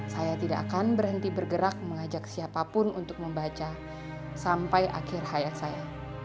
saya tidak akan berhenti bergerak mengajak siapapun untuk membaca sampai akhir hayat saya